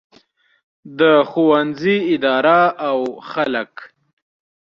د ښوونځي اداره او خلک.